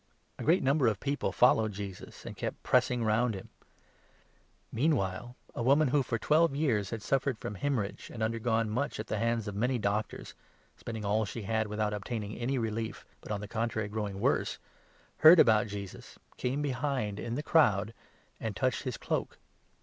A great number of people 24 Cure of followed Jesus, and kept pressing round him. an afflicted Meanwhile a woman who for twelve years had 25 woman. suffered from haemorrhage, and undergone 26 much at the hands of many doctors, (spending all she had without obtaining any relief, but, on the contrary, growing 27 worse), heard about Jesus, came behind in the crowd, and touched his cloak.